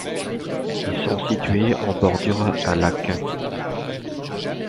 Ils sont situés en bordure d'un lac.